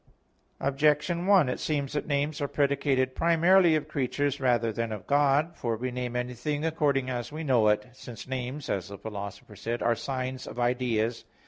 Objection 1: It seems that names are predicated primarily of creatures rather than of God. For we name anything accordingly as we know it, since "names", as the Philosopher says, "are signs of ideas."